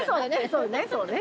そうねそうね